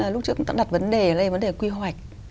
lúc trước cũng đã đặt vấn đề vấn đề quy hoạch